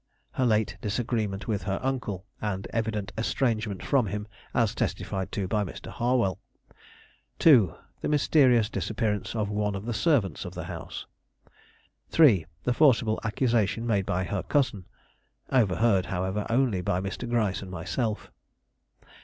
Her late disagreement with her uncle, and evident estrangement from him, as testified to by Mr. Harwell. 2. The mysterious disappearance of one of the servants of the house. 3. The forcible accusation made by her cousin, overheard, however, only by Mr. Gryce and myself.